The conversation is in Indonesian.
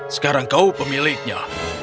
sekarang kau pemiliknya